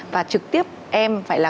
và trực tiếp em phải là